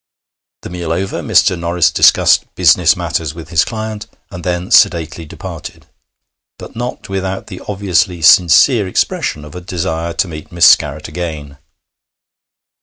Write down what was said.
The meal over, Mr. Norris discussed business matters with his client, and then sedately departed, but not without the obviously sincere expression of a desire to meet Miss Scarratt again.